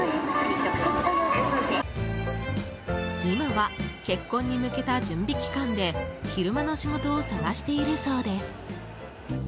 今は結婚に向けた準備期間で昼間の仕事を探しているそうです。